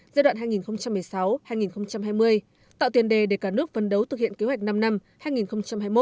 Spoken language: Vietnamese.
giai đoạn hai nghìn một mươi sáu hai nghìn hai mươi tạo tiền đề để cả nước vấn đấu thực hiện kế hoạch năm năm hai nghìn hai mươi một hai nghìn hai mươi năm